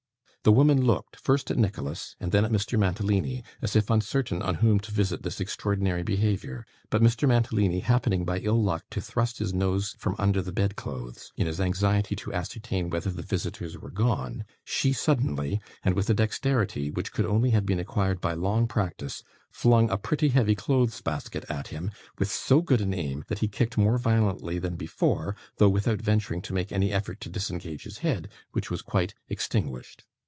The woman looked, first at Nicholas, and then at Mr. Mantalini, as if uncertain on whom to visit this extraordinary behaviour; but Mr Mantalini happening by ill luck to thrust his nose from under the bedclothes, in his anxiety to ascertain whether the visitors were gone, she suddenly, and with a dexterity which could only have been acquired by long practice, flung a pretty heavy clothes basket at him, with so good an aim that he kicked more violently than before, though without venturing to make any effort to disengage his head, which was quite extinguished.